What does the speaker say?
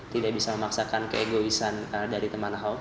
tidak bisa memaksakan keegoisan dari teman ahok